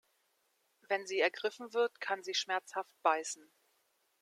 Wenn sie ergriffen wird, kann sie schmerzhaft beißen.